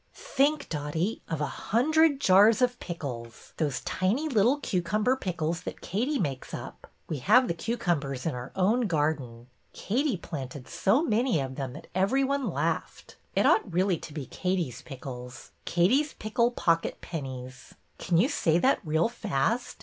Think, Dotty, of a hundred jars of pickles, those little tiny cucumber pickles that Katie makes up. We have the cucumbers in our own garden. Katie planted so many of them that every one laughed. It ought really to be Katie's pickles, Katie's pickle pocket pennies. Can you say that real fast?